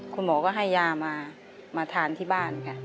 คุณหมอก็ให้ยามาทานที่บ้านค่ะ